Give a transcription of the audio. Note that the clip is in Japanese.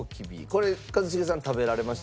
これ一茂さん食べられました。